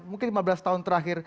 mungkin lima belas tahun terakhir